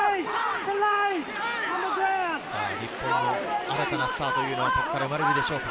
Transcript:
日本の新たなスターがここから生まれるでしょうか。